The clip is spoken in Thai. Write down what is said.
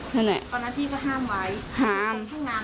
ตอนนั้นที่ก็ห้ามไว้ห้าม